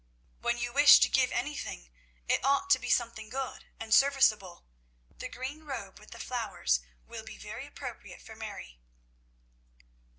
When you wish to give anything it ought to be something good and serviceable. The green robe with the flowers will be very appropriate for Mary."